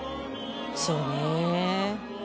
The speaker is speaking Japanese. そうねぇ。